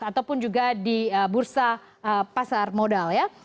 ataupun juga di bursa pasar modal ya